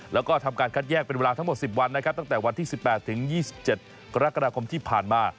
แล้วก็ทำการคัดแยกเป็นเวลาทั้งหมด๑๐วันนะครับตั้งแต่วันที่๑๘ถึง๒๗กรกฎาคมที่ผ่านมา